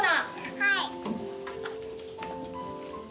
はい。